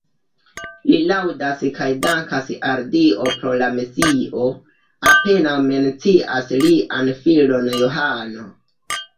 Li laŭdas kaj dankas al Dio pro la Mesio, apenaŭ mencias lian filon Johano.